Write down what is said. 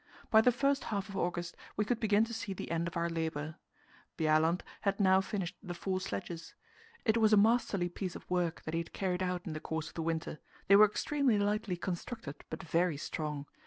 By the first half of August we could begin to see the end of our labour. Bjaaland had now finished the four sledges. It was a masterly piece of work that he had carried out in the course of the winter; they were extremely lightly constructed, but very strong.